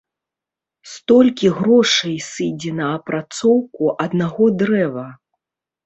Столькі грошай сыдзе на апрацоўку аднаго дрэва.